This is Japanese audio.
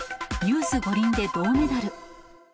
ユース五輪で銅メダル。